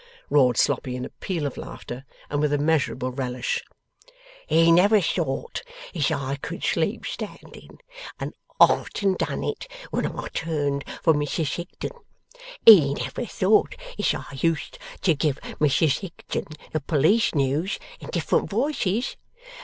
roared Sloppy in a peal of laughter, and with immeasureable relish. 'He never thought as I could sleep standing, and often done it when I turned for Mrs Higden! He never thought as I used to give Mrs Higden the Police news in different voices!